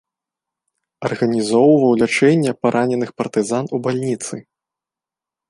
Арганізоўваў лячэнне параненых партызан у бальніцы.